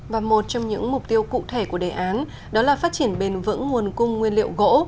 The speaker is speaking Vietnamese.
và một trong những mục tiêu cụ thể của đề án đó là phát triển bền vững nguồn cung nguyên liệu gỗ